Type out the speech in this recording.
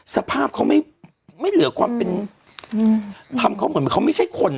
สภาพเขาไม่เหลือความเป็นทำเขาเหมือนเขาไม่ใช่คน